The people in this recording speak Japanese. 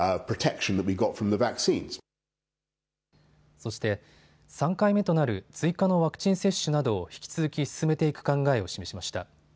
そして、３回目となる追加のワクチン接種などを引き続き進めていく考えを示しました。